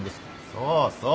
そうそう